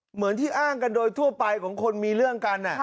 เหมือนที่อ้างกันโดยทั่วไปของคนมีเรื่องกัน